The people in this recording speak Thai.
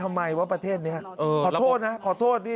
ทำไมวะประเทศนี้ขอโทษนะขอโทษดิ